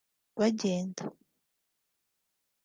Bagenda